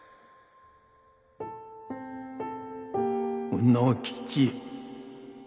卯之吉。